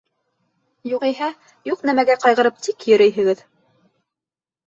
Юғиһә, юҡ нәмәгә ҡайғырып тик йөрөйһөгөҙ!